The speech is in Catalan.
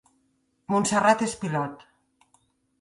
Montserrat és pilot